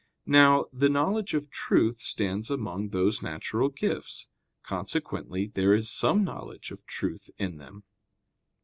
Now, the knowledge of truth stands among those natural gifts. Consequently there is some knowledge of truth in them.